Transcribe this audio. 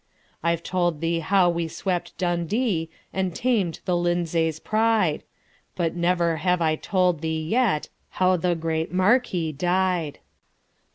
I 've told thee how we swept Dundee, And tam'd the Lindsays' pride; But never have I told thee yetHow the great Marquis died.